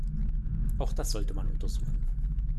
Auch das sollte man untersuchen.